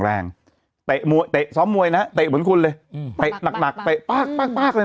แรงแตะมวยแตะซ้อมมวยนะแตะเหมือนคุณเลยไปหนักไปปากปากเลย